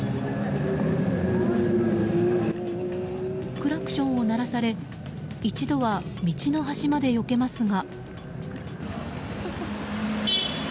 クラクションを鳴らされ一度は道の端までよけますが。